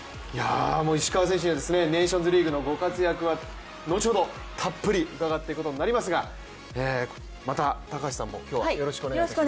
石川選手のネーションズリーグのご活躍は後ほどたっぷり伺っていくことになりますが高橋さんも今日はよろしくお願いします。